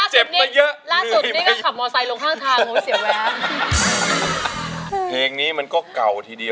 เจ็บมาเยอะ